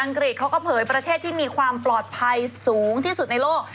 นอกจากรถติดสุด